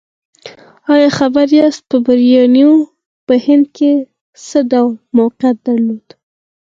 ایا خبر یاست بابریانو په هند کې څه ډول موقعیت درلود؟